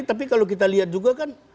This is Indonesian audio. tapi kalau kita lihat juga kan